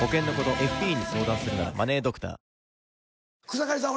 草刈さん